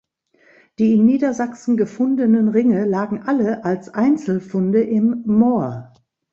Die in Niedersachsen gefundenen Ringe lagen alle als Einzelfunde im Moor.